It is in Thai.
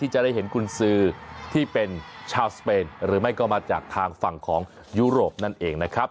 จะได้เห็นกุญสือที่เป็นชาวสเปนหรือไม่ก็มาจากทางฝั่งของยุโรปนั่นเองนะครับ